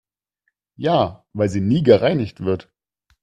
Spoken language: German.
Ja, weil sie nie gereinigt wird.